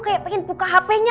kayak pengen buka hpnya